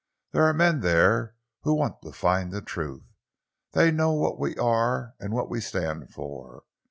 There are men there who want to find the truth. They know what we are and what we stand for.